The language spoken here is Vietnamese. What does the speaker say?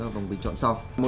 vòng bình chọn sau